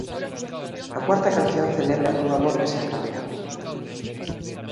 A cuarta canción celebra un amor que se acaba.